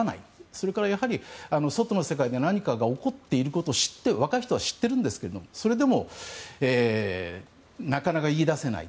それから、やはり外の世界で何かが起こっていることを若い人は知ってるんですけどそれでもなかなか言い出せない。